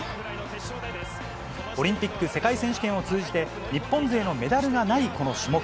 オリンピック、世界選手権を通じて、日本勢のメダルがないこの種目。